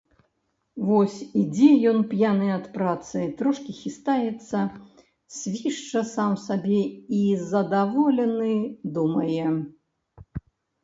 Вось ідзе ён, п'яны ад працы, трошкі хістаецца, свішча сам сабе і, задаволены, думае.